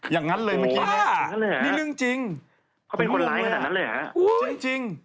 อย่างนั้นเลยเมื่อกี้เนี่ยนี่เรื่องจริงเขาเป็นคนร้ายขนาดนั้นเลยเหรอฮะจริง